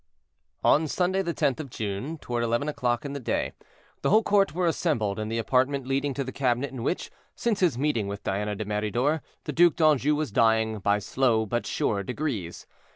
On Sunday the 10th of June, toward eleven o'clock in the day, the whole court were assembled in the apartment leading to the cabinet in which, since his meeting with Diana de Meridor, the Duc d'Anjou was dying by slow but sure degrees.